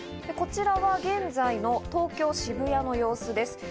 こちらは現在の東京・渋谷の様子です。